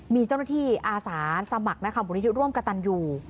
มีเจ้าหน้าที่อาสาสมัครนะคะบุรยุร่วมกับตันอยู่